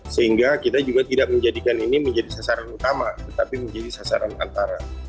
sehingga kita juga tidak menjadikan ini menjadi sasaran utama tetapi menjadi sasaran antara